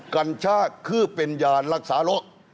กัญชาคือเป็นยานรักษาโรค